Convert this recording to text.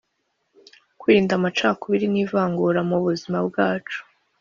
kwirinda amacakubiri n’ivangura, nmu buzima bwacu